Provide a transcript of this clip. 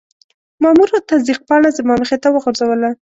مامور تصدیق پاڼه زما مخې ته وغورځوله.